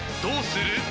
どうする？］